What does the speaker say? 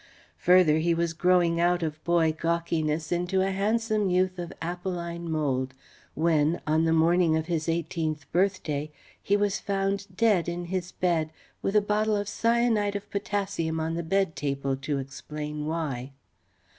Further he was growing out of boy gawkiness into a handsome youth of an Apolline mould, when, on the morning of his eighteenth birthday, he was found dead in his bed, with a bottle of cyanide of potassium on the bed table to explain why.